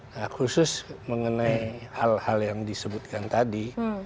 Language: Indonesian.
nah khusus mengenai hal hal yang disebutkan tadi